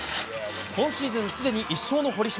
今シーズンすでに１勝の堀島。